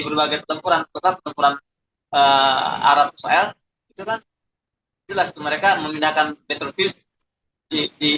berbagai pertempuran pertempuran arab israel itu kan jelas mereka memindahkan battlefield di